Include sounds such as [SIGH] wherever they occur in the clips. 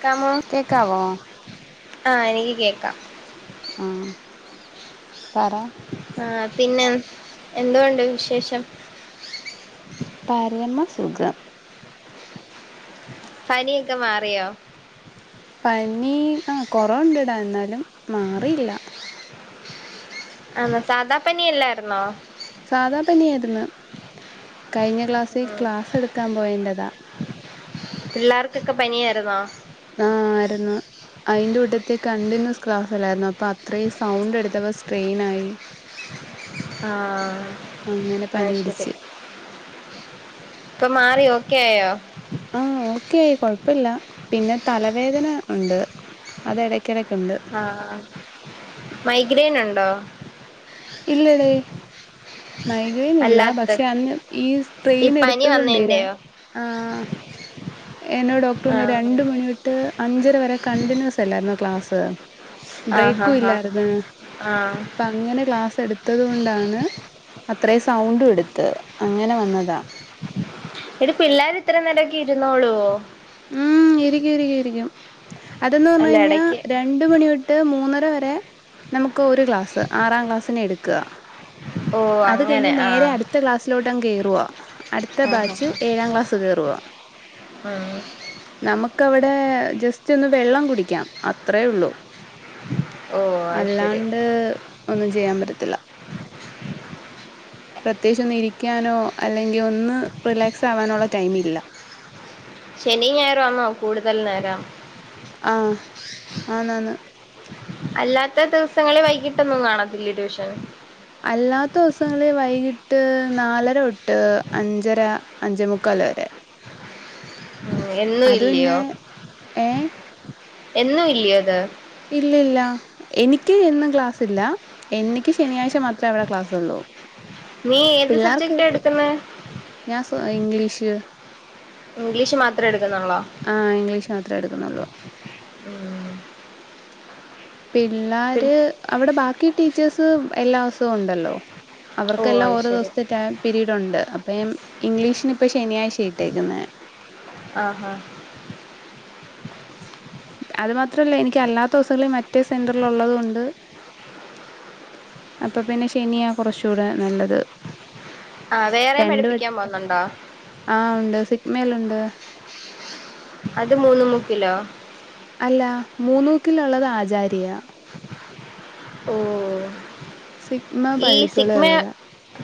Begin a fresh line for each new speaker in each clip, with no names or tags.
ക്കമോ
കേക്കാവോ
ആ എനിക്ക് കേക്കാം
ആം പറ
ആഹ് പിന്നെ എന്തോണ്ട് വിശേഷം
പരമ സു ഗ
പനിയൊക്കെ മാറിയോ
പനി കൊറാവിണ്ടെടാ ന്നാലും മാറില്ല
ആ സാധാ പണിയല്ലായിരുന്നോ
സാധാ പനി ഏര്ത് ന്നു കഴിഞ്ഞ ക്ലാസ്സി ക്ലാസ്സെടുക്കാ പോയെന്റെത
പിള്ളാർക്കൊക്കെ പനി ആയിരുന്നോ
ആ ആയിരുന്നു അയിന്റെ കൂട്ടത്തി കണ്ടിന്യുസ് ക്ലാസല്ലായിരുന്നോ അപ്പോ അത്രേം സൗണ്ട് എടുത്തപ്പോ സ്‌ക്രൈനായി
ആഹ്
അങ്ങനെ പനി പിടിച്ച്
ഇപ്പോ മാറിയോ ഓക്കേ ആയോ?
ക്കേ ആയി കൊഴപ്പില്ല. പിന്നെ തല വേദന ഇണ്ട് അത് എടക്കേട
ആഹ് മൈഗ്രൈന്ണ്ടോ?
ഇല്ലത് മൈഗ്രീനില്ല
അല്ലാത്ത
പക്ഷെ അന്ന് ഈ
ഈ പനി
സ്‌ട്രെയിനെടുത്തത്കൊണ്ടേ രാ
വന്നേന്റെയോ
ആഹ് എന്നോട് ഡോക്ടർഞ്ഞു
ആഹ്
രണ്ട് മണി തൊട്ട് അഞ്ചരവരെ കണ്ടിന്യുസ് അല്ലാര്ന്നോ ക്ലാസ്സ്‌
ആഹ് ഹാ
ബ്രേക്കും
ഹാ
ഇല്ലാര്ന്ന്
ആഹ്
ഇന്ന് ക്ലാസ്സെടുത്തത്കൊണ്ടാണ് അത്രേം സൗണ്ടും ഇട്ത്തെ അങ്ങനെ വന്നതാ
എടി പിള്ളേര് ഇത്രേം നേരോക്കെ ഇരുന്നോളുവോ
ഉം ഇരിക്കു ഇരിക്കു ഇരിക്കും അതെന്നു
അല്ല
പർഞ്ഞുകഴിഞ്ഞ
എടക്ക്
രണ്ട് മണിയൊട്ട് മൂന്ന് ട്ട് വരെ നമുക്ക് ക്ക് ഒരു ക്ലാസ്സ്‌ ആറാം ക്ലാസ്സിനെ എട് ക്ക
ഓഹ്
അത്
അങ്ങനെ
കഴിഞ്ഞ് നേരെ
ആഹ്
അട്ത്ത ക്ലാസിലോ ട്ടം കേറുവാ അടുത്ത
ആഹ് ഹാ
ബാച്ച്
ഹാ
ഏഴാം ക്ലാസ്സ്‌ കേറുവാ
ഉം
നമുക്ക് അവിടെ ജെസ്റ്റ് ഒന്ന് വെള്ളം കുടിക്കാം അത്രേ ഉള്ളു
ഓഹ് അത് ശരി
അല്ലാണ്ട് ഒന്നും ചെയ്യാൻ പറ്റത്തില്ല. പ്രത്യേകിച്ച് ഒന്ന് ഇരിക്കാനോ അ അല്ലങ്കി ഒന്ന് റിലേക്സാകാനുള്ള ടൈമില്ല
ആന്നോ കൂടുതൽ നേരം?
ആഹ് ആന്നാന്ന്
ഇന്നത്തെ ദിവസങ്ങളിൽ വൈകിട്ടൊന്നും കാണത്തില്ലേ ട്യൂഷൻ?
അല്ലാത്ത ദിവസങ്ങളിൽ വൈകിട്ട് നാലരൊട്ട് അഞ്ചര അഞ്ചേ മുക്കാൽ വരെ
ഉം എന്നും
അത്
ഇല്ലയോ?
പിന്നെ ഏ
എന്നും ഇല്ല്യേത്?
ഇല്ലില്ല എനിക്ക് എന്നും ക്ലാസില്ല, എനിക്ക് ശനിയാഴ്ച മാത്രമേ അവിടെ ക്ലാസ് ഉള്ളൂ.
നീ ഏത്
പിള്ളേർക്ക്
സബ്ജക്റ്റാ എടുക്കുന്നെ
ഞാൻ ഇംഗ്ലീഷ്
ഇംഗ്ലീഷ് മാത്രേ എടുക്കുന്നുള്ളോ
ആഹ് ഇംഗ്ലീഷ് മാത്രേ എടുക്കുന്നുള്ളു.
ഉം പിൻ
പിള്ളേര് അവിടെ ബാക്കി ടീച്ചേഴ്സ് എല്ലാ സുംഉണ്ടല്ലോ
ഓ
അവർക്കെല്ലാം
അത്
ഓരോ
ശരി
ദിവസത്തെ ട പീരീഡ ഉണ്ട് അപ്പൊ ഇംഗ്ലീഷന് ഇപ്പ ശനിയാഴ്ച ഇ. ട്ടേക്കുന്ന
ആഹാ
അത് മാത്രല്ല എനിക്ക്അല്ലാത്തദിവസങ്ങളിൽ മറ്റേ സെന്ററീൽ ഉള്ളത് കൊണ്ട് അപ്പംപിന്നെ ശനിയാ കുറച്ചുടെ നല്ലത്
ആ
ത്
വേറെയും
രണ്ട്
പഠിപ്പിക്കാൻ
വട്ടം
പോന്നുണ്ടോ
ആ ഉണ്ട് സിഗ് മേലുണ്ട്
അത് മൂന് മുക്കിലോ
അല്ല മൂന്നൂക്കിലുള്ളത് ആചാര്യ
ഓ
സിഗ്മ
ഈ
പള്ളിക്കുളം
സിക്മ
ഉള്ളതാ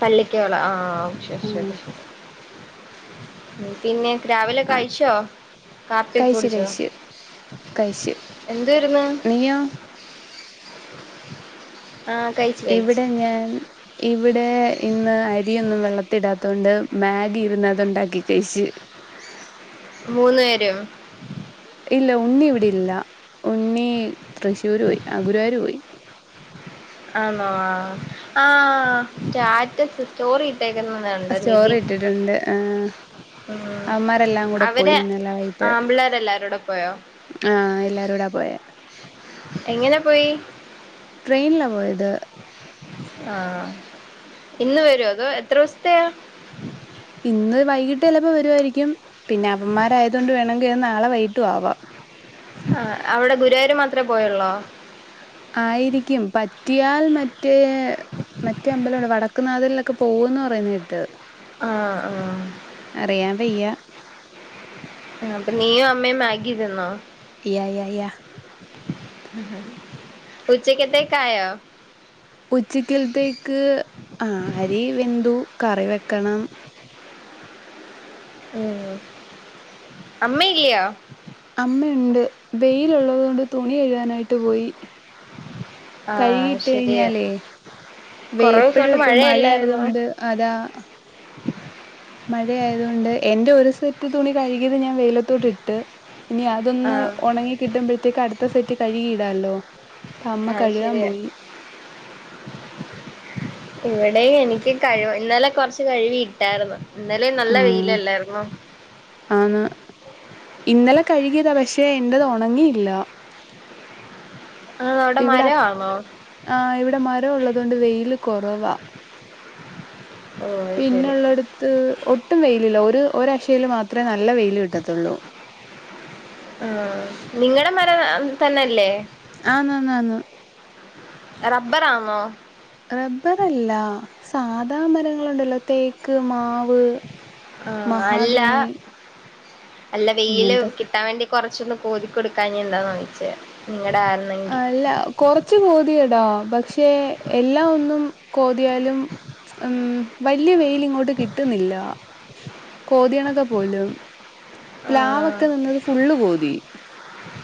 പള്ളിക്കോള ആ ശരി
ആഹ്
ശരി ശരി ഉം പിന്നെ രാവിലെ
ആഹ്
കഴിച്ചോ കാപ്പി
കഴിച്ച്
കുടിച്ചോ
കഴിച്ച് കഴിച്ച്
എന്ത് വരുന്ന്
നീയോ
കഴിച്ചു
ഇവിടെ ഞാൻ ഇവി ഇവിടെ ഇന്ന് അരിയൊന്നും വെള്ളത്തിടാത്ത തുകൊണ്ട് മാഗി ഇരുന്നതു ഇണ്ടാക്കി കഴിച്ച്
മൂന്ന് പേരും
ഇല്ല ഉണ്ണി ഇവിടെ ഇല്ല ഉണ്ണി തൃശ്ശൂര് പോയി ഗുരുവായൂർപോയി
ആണോ ആഹ് സ്റ്റാറ്റസ് സ്റ്റോറി ഇട്ടേക്കുന്നത് കണ്ട്
സ്റ്റോറി
നിതിൻ
ഇട്ടിട്ടുണ്ട്
ഉം
ആഹ്അവൻമാരെല്ലാം കൂടെ
അവര്
പോയിന്നെവൈട്ട്
ആമ്പിള്ളേര് എല്ലാരൂടെ പോയോ
ആഹ എല്ലാരു ടാ പോയ
എങ്ങനെ പോയി
ട്രെയിൻലാ പോയത്
ആ ഇന്ന് വരും അതോ എത്ര ദിവസത്തയാ
ഇന്ന് വൈകിട്ട്ചിലപ്പോൾവരുവായിരിക്കും പിന്നെ അവൻ മാരായത്കൊണ്ട് വേണമെങ്കിൽന്ന് നാളെ വൈകിട്ടും ആവാ
ആ അവിടെ ഗുരുവായൂർ മാത്രേ പോയുള്ളൂ
ആയിരിക്കും പറ്റിയാൽ മറ്റ മറ്റേ മറ്റേ അമ്പലണ്ട് വടക്ക്നാഥ ക്ക് പോന്ന് പറയുന്ന കേട്ട്
ആ ആ
അറിയാൻ വയ്യ
അപ്പൊ നീ മ്മേ മാഗ്ഗി തിന്നോ
യാ യാ യാ
ഉച്ചക്കത്തേക്കായോ
ഉച്ചിക്കൽത്തെ ക്ക് ആ അരി വെന്ദു കറി വെക്കണം
ഉം അമ്മയില്ലയ
അമ്മയുണ്ട് ബെയിലുള്ളതുകൊണ്ട് തുണി കഴുകാനായിട്ട് പോയി
ആഹ്
കഴിയിട്ട്
ശരിയാ
കഴിഞ്ഞാലേ വേ
കൊറേ ദിവസം
എപ്പോഴും
കൊണ്ട്
ഇപ്പൊ മഴയത
മഴയല്ലായിരുന്നോ
കൊണ്ട് അതാ
[INAUDIBLE]
മഴയായതുകൊണ്ട് എന്റെ ഒരു സെറ്റ് തുണി കഴുകിയത് ഞാൻ വെയിലത്തോട്ട് ഇട്ട് ഇനി അതൊന്ന്
ആഹ്
ഉണങ്ങി കിട്ടുമ്പോഴത്തേക്ക് അടുത്ത സെറ്റ് കഴുകിയിടാല്ലോ അപ്പൊ അമ്മ
അത്
കഴുകാൻ
ശരിയാ
പോയി
ഇവിടെയും എനിക്ക് കഴിവ ഇന്നലെ കൊറച്ച് കഴുവി ഇട്ടായിരുന്നു ഇന്നല നല്ല
ആ
വെയിലല്ലായിരുന്നോ
ആന്ന് ഇന്നലെ കഴുകിയതാ പക്ഷെ എന്റെത് ഒണങ്ങിയില്ല
ആ അവിടെ മരമാന്നോ
അതൊണ്ട് വെയില് കുറവാ
ഓ ശരി
പിന്നെള്ളടുത്ത് ഒ ഒട്ടും വെയിലില്ല ഒരു ഒരക്ഷയിൽ മാത്രമേ ന
ആ നിങ്ങടെ മ തന്നല്ലേ
ആന്ന് ആന്ന് ആന്ന്
റബർ ആന്നോ
റബ്ബറല്ല സാധാ മരങ്ങള ണ്ടല്ലോ തേക്ക് മാവ്
ആ അല്ല
മഹാഗണി
അല്ല വെയില്
ഇങ്ങനത്തെ സ
കിട്ടാൻ വേണ്ടി കൊറച്ചൊന്ന് കോതിക്ക കൊടുക്കാഞ്ഞ എന്താന്ന് വെച്ചേ
ആല്ല കൊറച്ചു കൊതിയെടാ പക്ഷെ പക്ഷെ എല്ല ഒന്നും കോതിയാലും വല്ല്യ വെയിൽ ഇങ്ങോട്ട് കിട്ടുന്നില്ല കോതിണക്കെ പോലും
ആഹ്
പ്ലാവൊക്കെ നിന്നത് ഫുള്ള് കോതി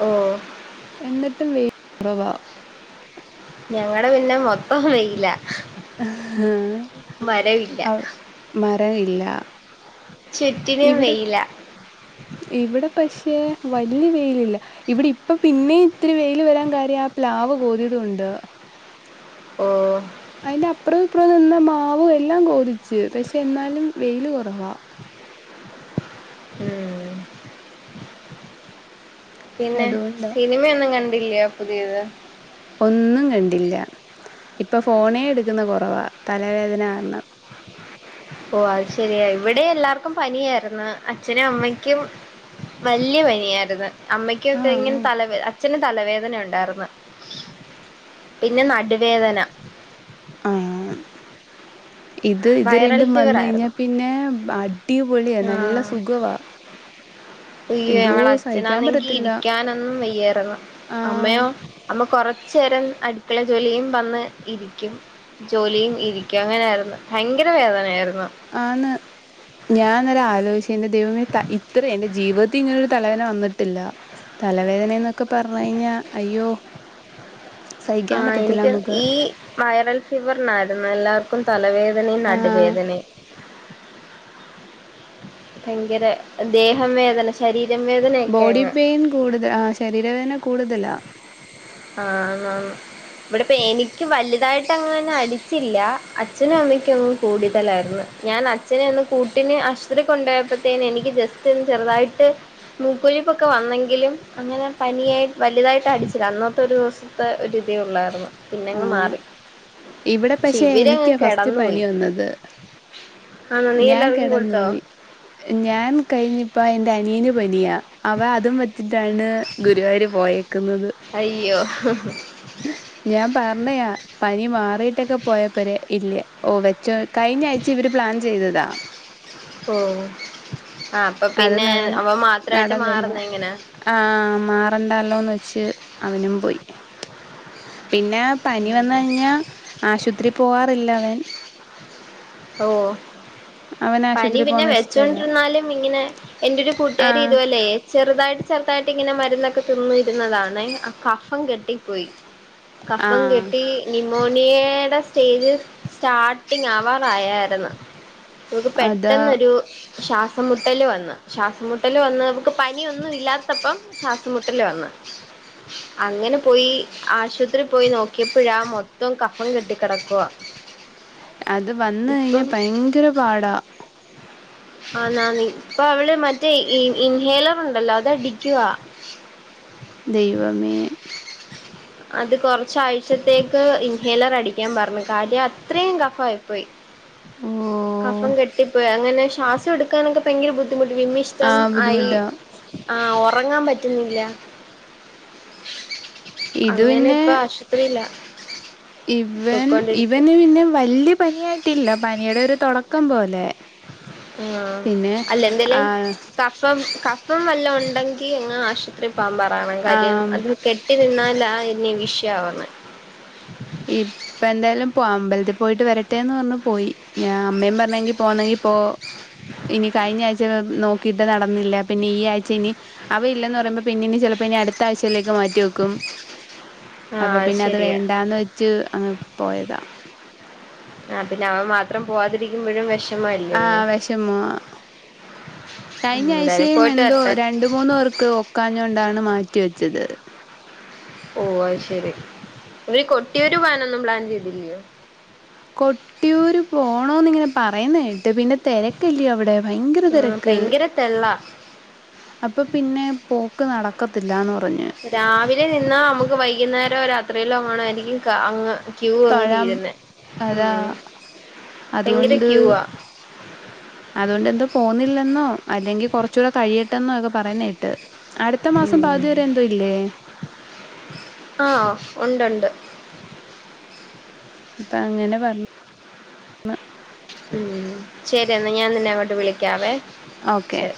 ഓ
എന്നിട്ടും വെല് കുറവാ
ഞങ്ങടെ പിന്നെ മൊത്തം വെയ്ലാ
ആഹ്
മരവില്ല
അ മരം ഇല്ല ആ
ചുറ്റിനും വെയ്‌ലാ
വേ വല്യ വെയ്ലില്ല ഇവിടിപ്പ പിന്നേം ഇത്തിരി വെയ്ല് വരാൻ കാര്യം ആ പ്ലാവ് കോതിയത്കൊണ്ട്
ഓ
അയ്ന്റെ അപ്പുറോം ഇപ്പറോം നിന്ന മാവും എല്ലാം കോതിച്ച് പഷെ എന്നാലും വെയ്ല് കുറവാ
ഉം പിന്നെ
അതുകൊണ്ട്
സിനിമയൊന്നും കണ്ട ഇല്ല്യാ പുതിയത്
ഒന്നും കണ്ടില്ല ഇപ്പൊ ഫോണേ എടുക്കുന്ന കൊറവാ തലവേദന കാരണം
ഓ അത് ശരിയ ഇവിടെ എല്ലാർക്കും പനിയായിര്ന്ന് അച്ഛനും അമ്മയ്ക്കും വല്ല്യ പനിയായ്ര്ന്ന്
ആ
അമ്മയ്ക്കൊക്കെ ഇങ്ങനെ തലവെ അച്ഛന് തലവേദന ഉണ്ടാർന്ന് പിന്നെ നടുവേദന
ആ ഹ് ഇത് ഇത്
വൈറൽ
രണ്ടും
ഫീവർ
വന്ന്
ആയിരുന്നു
കഴിഞ്ഞാപിന്നെ അടിപൊളിയാ നല്ല സുഖവാ എന്തോ സഹിക്കാൻ
അയ്യൊഞങ്ങളച്ഛനാന്നെങ്കി
പറ്റത്തില്ല
ഇരിക്കാനൊന്നും വയ്യാർന്ന്
ആ
അമ്മയോ അമ്മ കൊറച്ചേരം അടി മക്കളെ ജോലിയും വന്ന് ഇരിക്കും ജോലിയും ഇരിക്കും അങ്ങനെയാര്ന്ന് ഭയങ്കര വേദനയായിര്
ആന്ന് ഞാനരാ ആലോചി എന്റെ ദൈവമേ ത ഇത്റിം എന്റെ ജീവിതത്തി ഇങ്ങനൊര് തലവേന വന്നിട്ടില്ല തലവേദനെന്നൊ ക്കെ പറഞ്ഞഴിഞ്ഞാ അയ്യോ
ആ
സഹിക്കാൻ പറ്റത്തില്ല
എനിക്ക്
നമുക്ക്
ഈ വൈറൽ ഫീവറിനാ ന്നെല്ലാർക്കും തലവേ ദനേം
ആ
നടുവേദനേം ഭയങ്കര ദേഹം വേദന ശരീരം വേദനയൊക്കെ
ബോഡി
അങ്ങ്
പെയിൻ കൂടുത ആ ശരീരവേദന കൂടുതലാ
ആ ന്നാ ന്ന് ഇവിടപ്പ എനിക്ക് വല്തായിട്ടങ്ങ ന അടിച്ചില്ല അച്ഛനും അമ്മയ്ക്കും അങ്ങ് കൂടുതലായിരുന്ന് ഞാൻ അച്ഛനെ ഒന്ന്കൂട്ടിന് ആശുത്രി കൊണ്ടൊയപ്പത്തേന് എനിക്ക് ജസ്റ്റ് ഒന്ന് ചെറുതായിട്ട് മൂക്കൊലിപ്പൊക്കെ വന്നെങ്കിലും അങ്ങനെ പനിയായി വലുതായിട്ടടിച്ചില അന്ന ത്തൊരു ദൂസ്ത്തെ ഒരിതേ ഉള്ളാർന്ന്
ആ
പിന്നങ്ങ് മാറി
ഇവിടെ പക്ഷെ
ഇവരങ്ങ്
എനിക്ക്യാ ഫസ്റ്റ് പനി
കിടന്നുപോയി
വന്നത്
ആണോ നീ
ഞാൻ
എല്ലാവർക്കും കൊടുത്തോ
കെടന്നുപോയി ഞാൻ കഴിഞ്ഞിപ്പ എന്റനിയന് പനിയാ അവ അതുംവച്ച് ട്ടാണ് ഗുരുവായൂര് പോയെ ക്ക്‌ന്നത്
അയ്യോ
ഞാൻ പറഞ്ഞയാ പനി മാറിയിട്ടൊക്കെ പോയപ്പോരെ ഇല്യ ഓ വെച്ചൊ കഴിഞ്ഞ ആഴ്ച ഇവർ പ്ലാൻ ചെയ്തതാ
ഓ ആ അപ്പൊ
അത്
പിന്നെ
നട
അവൻ മാത്രായിട്ട്
നടന്നില്ല
മാറുന്ന എങ്ങനാ
ആഹ് മാറണ്ടല്ലോന്ന് വ ച്ച് അവനും പോയി പിന്നെ പനി വന്ന് കഴിഞ്ഞാൽ ആശുപത്രി പോകാറില്ല അവൻ
ഓ
അവന്
പനി
ആശുപത്രി
പിന്നെ
പോകുന്ന ഇഷ്ടല്ല
വെച്ചോണ്ടിരുന്നാലും ഇങ്ങനെ എൻ്റൊരു
ആ
കൂട്ടുകാരി ഇതുപൊല്ലേ ചെറുതായി ചെറുതായിട്ട് ഇങ്ങനെ മരുന്നൊക്കെ തിന്നിയിരുന്നതാണെ ആ കഫം കെട്ടിപ്പോയി
ആ
കഫം കെട്ടി നി ഓനിയേടെ സ്റ്റേജ് സ്റ്റാർട്ടിങ് ആവാ വായിരുന്ന് അവക്ക്
അതാ
പെട്ടെന്നൊരു ശ്വാസം മു മുട്ടല് വന്ന് ശ്വാസം മുട്ടല് വന്ന് അവക്ക് പനിയൊന്നും ഇല്ലാത്തപ്പം ശ്വാസംമുട്ടല് വന്ന് അങ്ങനെ പോയി ആശുപത്രീ പോയി നോക്കിയപ്പോഴാ മൊത്തം കഫം കെട്ടിക്കിടക്കുവാ
അത് ഇത് വന്നു കഴിഞ്ഞാ ഭയങ്കര പാടാ
ആ ന ഇപ്പൊ അവള് മറ്റേ ഇൻഹേലർ ഉണ്ടല്ലോ അത് അടിക്കുവാ
ദൈവമേ
അത് കൊറച്ചാഴ്ചത്തേക്ക് ഇൻഹേലർ അടിക്കാൻ പറഞ്ഞു കാര്യം അത്രയും കഫായിപ്പോയി
ഓ
കഫം കെട്ടി പ്പോയി അങ്ങനെ ശ്വാസം എടുക്കാനൊക്കെ ഭയങ്ക ബു ദ്ധിമുട്ട്
ആ
വിമ്മിഷ്ടം ആയി
ബുദ്ധിമുട്ടാ
ആ ഉറങ്ങാൻ പ റ്റുന്നില്ല
ഇത്
അങ്ങനെ
പിന്നെ
ഇപ്പ ആശുപത്രീലാ
ഇവൻ ഇവന് പിന്നെ വലിയ പനിയായിട്ടില്ല പനിയുടെ ഒരു തുടക്കം പോലെ പിന്നെ
അല്ല എന്തേലെ
ആ
കഫം കഫം വല്ലോം ഉ ണ്ടെങ്കിൽ അങ്ങ് ആശുപത്രി പോവാൻ പറയണം
ആ
കാര്യം അത് കെട്ടി നിന്നാലാ പിന്നേം വിഷയാവുന്നെ
ഇപ്പോൾ അമ്പലത്തി പോയിട്ട് വരട്ടെ എന്ന് പറഞ്ഞു പോയി ഞാൻ അമ്മയും പറഞ്ഞെങ്കിൽ പോകുന്നെങ്കിൽ പോ ഇനി കഴിഞ്ഞ ആഴ്ച നോക്കിയിട്ട് നടന്നില്ല പിന്നെ ഈ ആഴ്ച ഇനി അവൻ ഇല്ലന്ന് പറയുമ്പോൾ പിന്നെ ഇനി ചിലപ്പോ ഇനി അടുത്ത ആഴ്ചയല്ലെ മാറ്റി വെക്കും അപ്പൊ
ആഹ്
പിന്നെ അത്
ശരിയാ
വേണ്ടാന്ന് വ അ പോയതാ
ആ പിന്നെ അവൻ മാത്രം പോവാതിരിക്കുമ്പോഴും വെഷ
ആ വെഷമവാ
ഉം എന്തായാലും
കയിഞ്ഞാഴ്ചയും
പോയിട്ട്
എന്തോ
വരട്ടെ
രണ്ട് മൂന്നുപേർക്ക് ഒക്കാഞ്ഞോണ്ടാണ് മാറ്റി വെച്ചത്
ഓ അയ് ശെരി ഇവര് കൊട്ടിയൂര് പോവാനൊന്നും പ്ലാൻ ചെയ്തില്ലിയോ?
കൊട്ടിയൂര് പോണോന്ന് ഇങ്ങനെ പറയുന്ന കേ ട്ട് പിന്നെ തെരക്കല്ലിയോ അവിടെ ഭയങ്കര
ആ
തെരക്ക്
ഭയങ്കര തെള്ള
അപ്പൊ പിന്നെ പോക്ക് നടക്കു ക്കത്തില്ലാന്ന് പ
രാവിലെ നിന്നാ നമു ക്ക് വൈകുന്നേരവോ രാത്രിയിലോ എങ്ങാണാരിക്കും ക അങ്ങ്. ക്യൂ അങ്ങ്
തൊഴാം
തീരുന്നെ
അതാ
ഉം ഭയങ്കര
അതുകൊണ്ട്
ക്യൂവാ
അതുകൊണ്ട് എന്തോ പോന്നില്ലെന്നോ അല്ലെങ്കിൽ. കുറച്ചുകൂടെ കഴിയട്ടെ എന്നൊക്കെ പറയുന്ന കേട്ടു. അടുത്ത മാസം പകുതിവരെ എന്തോ ഇല്ലേ.
ആ ഉണ്ടുണ്ട്
അപ്പൊ അങ്ങനെ പറഞ്ഞു മ
ഉം ശരി എന്നാ ഞാൻ നിന്നെ അങ്ങോട്ട് വിളിക്കാവേ
ഓക്കേ
ശരി